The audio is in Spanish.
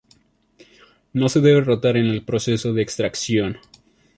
No se debe rotar en el proceso de extracción.